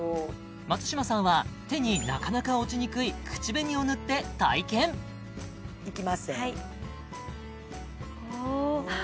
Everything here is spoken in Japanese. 松嶋さんは手になかなか落ちにくい口紅を塗って体験いきまっせああ